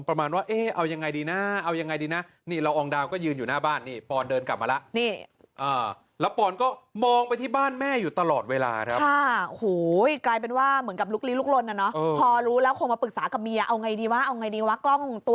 ประมาณว่าเอ๊ะเอายังไงดีนะเอายังไงดีนะ